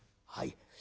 「はい。